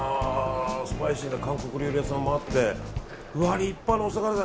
スパイシーな韓国料理屋さんもあってうわ、立派なお魚だ。